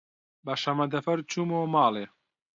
بە شەمەندەفەر چوومەوە ماڵێ.